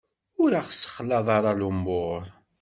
Ur aɣ-ssexlaḍ ara lumuṛ!